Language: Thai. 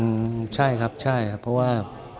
อืมใช่ครับใช่ครับเพราะว่า